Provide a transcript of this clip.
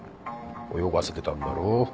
泳がせてたんだろ？